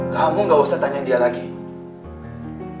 kamu gak usah tanya dia lagi